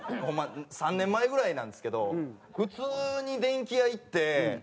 ホンマ３年前ぐらいなんですけど普通に電気屋行って。